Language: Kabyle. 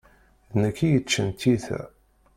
D nekk i yeččan tiyita.